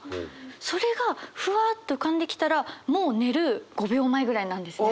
それがふわっと浮かんできたらもう寝る５秒前ぐらいなんですね